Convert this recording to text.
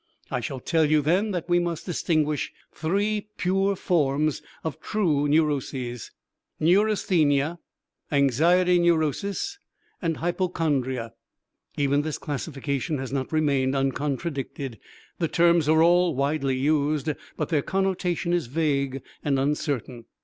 I shall tell you then that we distinguish three pure forms of true neuroses: neurasthenia, anxiety neurosis and hypochondria. Even this classification has not remained uncontradicted. The terms are all widely used, but their connotation is vague and uncertain.